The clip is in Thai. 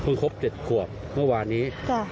เพิ่งครบ๗ขวบเมื่อวานี้